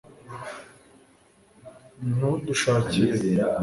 ntudushakire